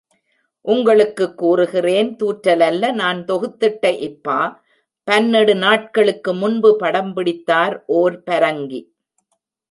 உங்களுக்குக் கூறுகிறேன் தூற்றலல்ல, நான் தொகுத்திட்ட இப்பா பன்னெடு நாட்களுக்கு முன்பு படம் பிடித்தார் ஓர் பரங்கி.